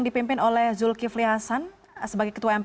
demi kepentingan bangsa